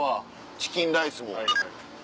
チキンライスも。